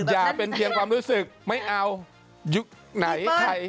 อย่าเป็นเพียงความรู้สึกไม่เอายุคไหนใคร